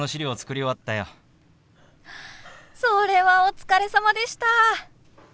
それはお疲れさまでした！